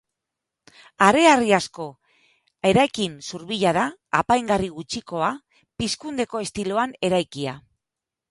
Hareharrizko eraikin zurbila da, apaingarri gutxikoa, pizkundeko estiloan eraikia.